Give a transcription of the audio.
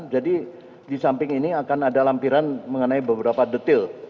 jadi di samping ini akan ada lampiran mengenai beberapa detail